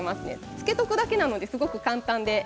つけておくだけなのでとても簡単です。